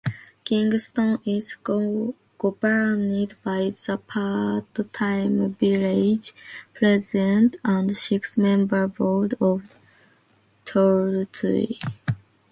Kingston is governed by a part-time Village President and six-member Board of Trustees.